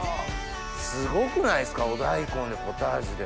すごくないですかお大根でポタージュで。